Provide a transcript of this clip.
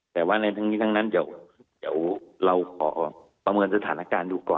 แต่ว่าในทั้งนี้ทั้งนั้นเดี๋ยวเราขอประเมินสถานการณ์ดูก่อน